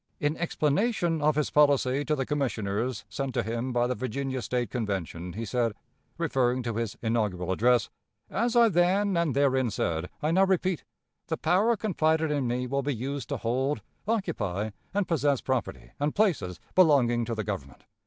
In explanation of his policy to the Commissioners sent to him by the Virginia State Convention, he said, referring to his inaugural address, "As I then and therein said, I now repeat, the power confided in me will be used to hold, occupy, and possess property and places belonging to the Government."